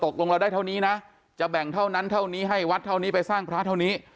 ตกลงเราได้เท่านี้นะจะแบ่งเท่านั้นเท่านี้ให้วัดเท่านี้ไปสร้างพระเท่านี้